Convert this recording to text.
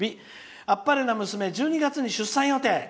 あっぱれな娘１２月に出産予定」。